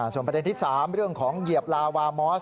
ส่วนประเด็นที่๓เรื่องของเหยียบลาวามอส